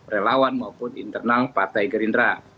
relawan maupun internal partai gerindra